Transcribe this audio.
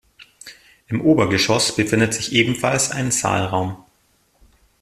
Im Obergeschoß befindet sich ebenfalls ein Saalraum.